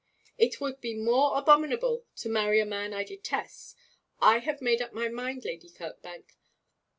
'It would be more abominable to marry a man I detest. I have made up my mind, Lady Kirkbank.